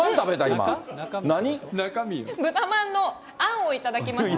豚まんのあんを頂きました。